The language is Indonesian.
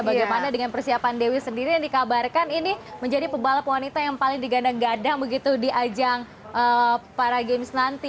bagaimana dengan persiapan dewi sendiri yang dikabarkan ini menjadi pebalap wanita yang paling digadang gadang begitu di ajang para games nanti